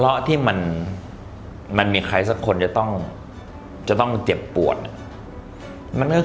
หล่อที่มันมันมีใครสักคนจะต้องจะต้องเจ็บปวดมันก็